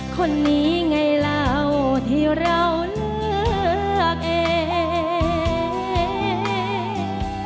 คนนี้ไงเราที่เราเลือกเอง